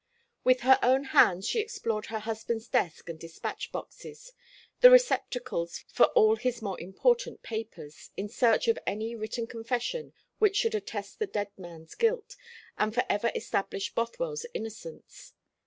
With her own hands she explored her husband's desk and despatch boxes the receptacles for all his more important papers in search of any written confession which should attest the dead man's guilt, and for ever establish Bothwell's innocence.